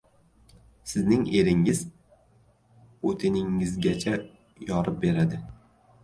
— Sizning eringiz o‘tiningizgacha yorib beradi.